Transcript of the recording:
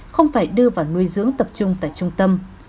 không phải đưa vào nuôi dưỡng tập trung tại trung tâm